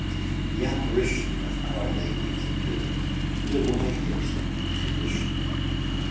The apparition of Our Lady of the Pillar is a widely accepted tradition.